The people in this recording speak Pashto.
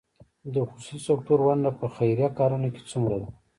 د خصوصي سکتور ونډه په خیریه کارونو کې څومره ده؟